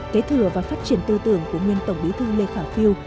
kế thừa và phát triển tư tưởng của nguyên tổng bí thư lê khả phiêu